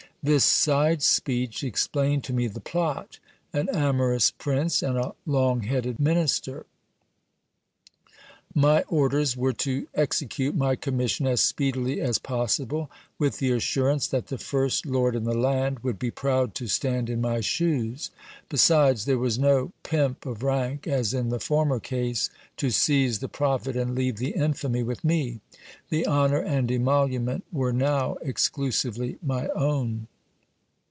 This side speech explained to me the plot ; an amorous prince, and a long headed minister ! My orders were to execute my commission as speedily as possible, with the assurance that the first lord in the land would be proud to stand in my shoes. Besides, there was no pimp of rank, as in the former case, to seize the profit and leave the infamy with me ; the honour and emolument were now exclusively my own.